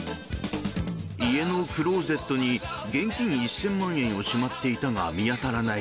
家のクローゼットに現金１０００万円をしまっていたが見当たらない。